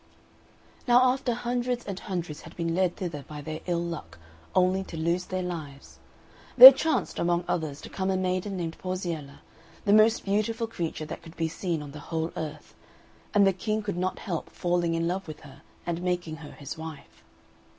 Now after hundreds and hundreds had been led thither by their ill luck, only to lose their lives, there chanced, among others, to come a maiden named Porziella, the most beautiful creature that could be seen on the whole earth, and the King could not help falling in love with her and making her his wife.